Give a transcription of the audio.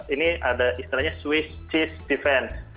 ini ada istilahnya swiss cheese defense